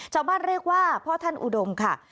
ชาวบ้านเรียกว่าพ่อท่านอุดมค่ะ